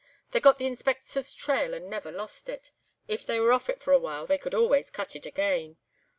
"They got the Inspector's trail and never lost it; if they were off it for a while, they could always 'cut' it again.